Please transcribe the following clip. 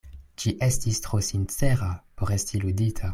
Ĝi estis tro sincera por esti ludita.